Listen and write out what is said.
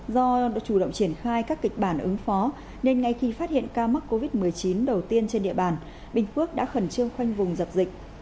do đã chủ động triển khai các kịch bản ứng phó nên ngay khi phát hiện ca mắc covid một mươi chín đầu tiên trên địa bàn bình phước đã khẩn trương khoanh vùng dập dịch